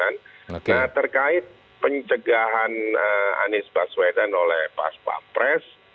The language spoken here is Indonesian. nah terkait pencegahan anies baswedan oleh pak pres